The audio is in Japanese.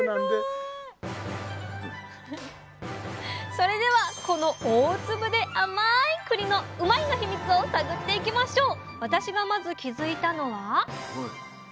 それではこの大粒で甘いくりのうまいッ！のヒミツを探っていきましょう！